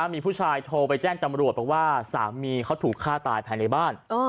มีผู้ชายโทรไปแจ้งตำรวจบอกว่าสามีเขาถูกฆ่าตายภายในบ้าน